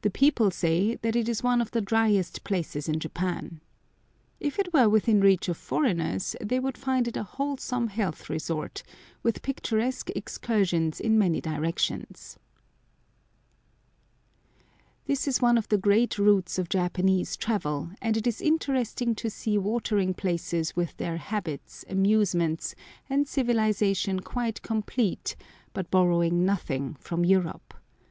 The people say that it is one of the driest places in Japan. If it were within reach of foreigners, they would find it a wholesome health resort, with picturesque excursions in many directions. This is one of the great routes of Japanese travel, and it is interesting to see watering places with their habits, amusements, and civilisation quite complete, but borrowing nothing from Europe.